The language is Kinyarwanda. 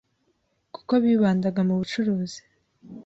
kuko bibandaga mu bucuruzi,